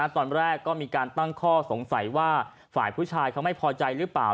ตอนแรกก็มีการตั้งข้อสงสัยว่าฝ่ายผู้ชายเขาไม่พอใจหรือเปล่า